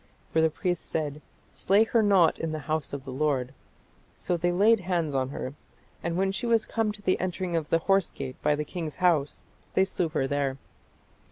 For the priest said, Slay her not in the house of the Lord. So they laid hands on her; and when she was come to the entering of the horse gate by the king's house, they slew her there.